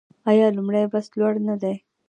آیا لومړی بست لوړ دی؟